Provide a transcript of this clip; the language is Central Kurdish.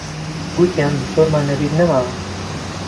گوتیان زۆرمان لەبیر نەماوە.